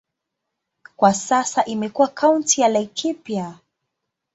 Kwa sasa imekuwa kaunti ya Laikipia.